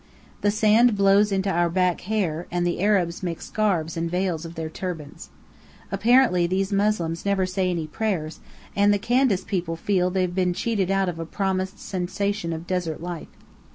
The sand blows into our back hair, and the Arabs make scarves and veils of their turbans. Apparently these Moslems never say any prayers, and the Candace people feel they've been cheated of a promised sensation of desert life.